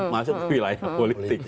masuk ke wilayah politik